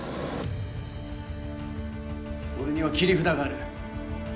俺には切り札がある。